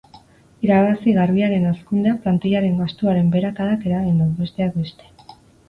Irabazi garbiaren hazkundea plantillaren gastuaren beherakadak eragin du, besteak beste.